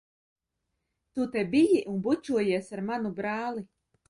Tu te biji un bučojies ar manu brāli!